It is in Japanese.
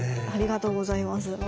ありがとうございます。